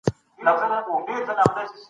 ولي سهارنی لمر د ذهن لپاره خورا ګټور دی؟